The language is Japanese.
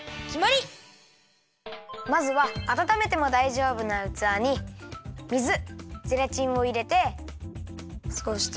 まずはあたためてもだいじょうぶなうつわに水ゼラチンをいれてそしたらまぜるよ！